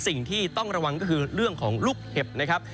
สิ่งที่ต้องระวังก็คือเรื่องของลูกเห็บนะครับ